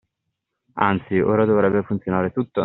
Anzi… ora dovrebbe funzionare tutto?